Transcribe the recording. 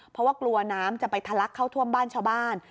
เพราะว่ากลัวน้ำจะไปทะลักเข้าท่วมบ้านชาวบ้าน